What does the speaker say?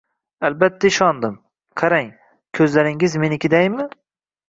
Albatta, ishondim. Qarang, ko'zlaringiz menikidaymi?